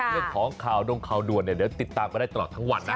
เรื่องของข่าวดงข่าวด่วนเนี่ยเดี๋ยวติดตามกันได้ตลอดทั้งวันนะ